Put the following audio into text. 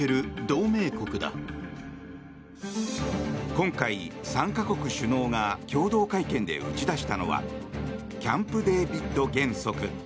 今回、３か国首脳が共同会見で打ち出したのはキャンプデービッド原則。